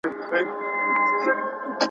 معلم صاحب په پټي کې په لور کار کاوه.